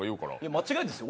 間違いですよ